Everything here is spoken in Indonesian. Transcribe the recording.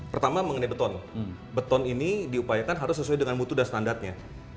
pertama mengenai beton beton ini diupayakan harus sesuai dengan mutu dan standarnya